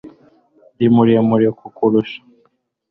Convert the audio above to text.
ndi muremure kukurusha